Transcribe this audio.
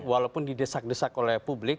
walaupun didesak desak oleh publik